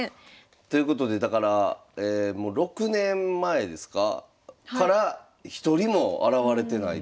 ということでだからもう６年前ですかから一人も現れてないという。